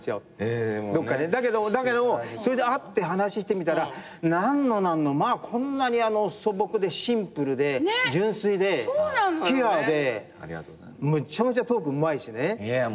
だけどそれで会って話してみたらなんのなんのまあこんなに素朴でシンプルで純粋でピュアでむっちゃむちゃトークうまいしね。